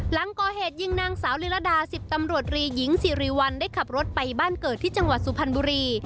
หลังก่อเหตุยิงนางสาวลีลดา๑๐ตำรวจรีหญิงสิริวัลได้ขับรถไปบ้านเกิดที่จังหวัดสุพรรณบุรี